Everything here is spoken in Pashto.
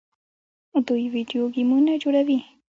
دوی ویډیو ګیمونه جوړوي.